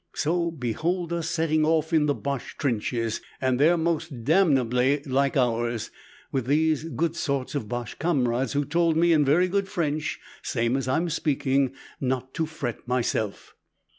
So, behold us setting off in the Boche trenches and they're most damnably like ours with these good sorts of Boche comrades, who told me in very good French same as I'm speaking not to fret myself.